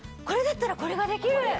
これだったらこれができる。